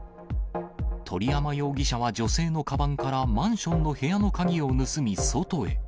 鳥山容疑者は女性のかばんからマンションの部屋の鍵を盗み外へ。